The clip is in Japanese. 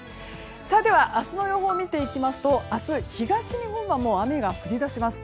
では明日の予報を見ていきますと明日、東日本は雨が降り出します。